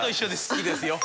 好きですよ。